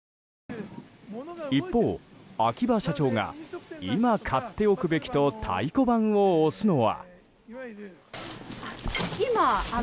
一方、秋葉社長が今買っておくべきと太鼓判を押すのは。